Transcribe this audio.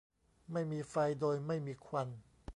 ไม่มีไฟโดยไม่มีควัน